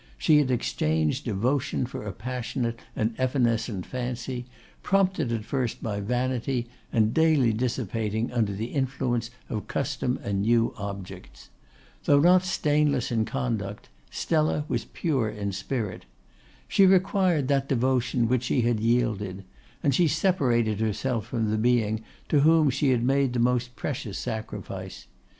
She had exchanged devotion for a passionate and evanescent fancy, prompted at first by vanity, and daily dissipating under the influence of custom and new objects. Though not stainless in conduct, Stella was pure in spirit. She required that devotion which she had yielded; and she separated herself from the being to whom she had made the most precious sacrifice.